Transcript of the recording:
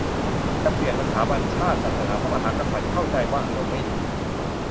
จะเปลี่ยนสถาบันชาติ ศาสนา พระมหากษัตริย์ เข้าใจว่าอารมณ์ไม่ดี